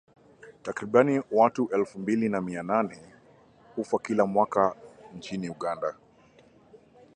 Takriban watu elfu mbili na mia nane hufa kila mwaka nchini Uganda